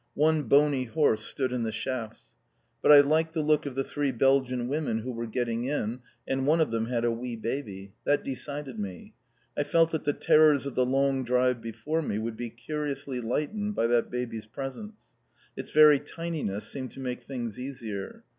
One bony horse stood in the shafts. But I liked the look of the three Belgian women who were getting in, and one of them had a wee baby. That decided me. I felt that the terrors of the long drive before me would be curiously lightened by that baby's presence. Its very tininess seemed to make things easier.